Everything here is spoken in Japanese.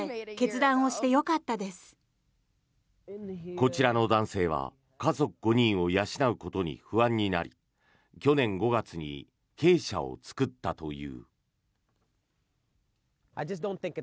こちらの男性は家族５人を養うことに不安になり去年５月に鶏舎を作ったという。